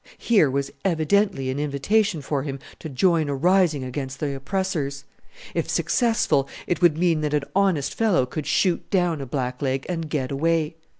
Here was evidently an invitation for him to join a rising against the oppressors! If successful it would mean that an honest fellow could shoot down a black leg and get away.